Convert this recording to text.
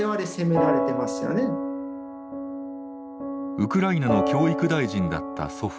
ウクライナの教育大臣だった祖父。